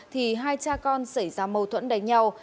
thì hai cha con xảy ra mâu thuẫn đánh nhau